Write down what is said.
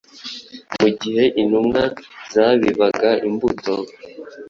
Mu gihe intumwa zabibaga imbuto,